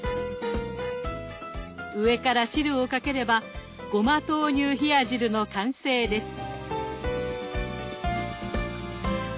上から汁をかければごま豆乳冷や汁の完成です。